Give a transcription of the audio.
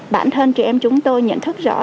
bản thân chị em chúng tôi nhận thức rõ